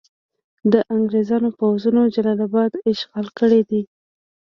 د انګریزانو پوځونو جلال اباد اشغال کړی دی.